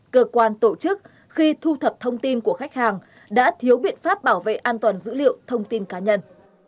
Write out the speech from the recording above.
cơ quan tổ chức khi thu thập thông tin của khách hàng đã thiếu biện pháp bảo vệ an toàn dữ liệu thông tin cá nhân